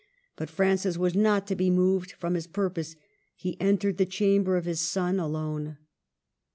But Francis was not to be moved from his pur pose; he entered the chamber of his son alone.